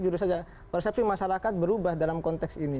jurus saja persepsi masyarakat berubah dalam konteks ini